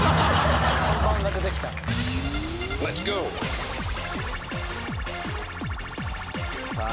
看板が出てきたさあ